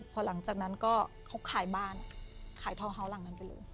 พอหลังจากนั้นก็เขาขายบ้านขายทาวนเฮาส์หลังนั้นไปเลย